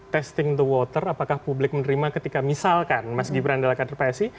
testing the water apakah publik menerima ketika misalkan mas gibran adalah kader psi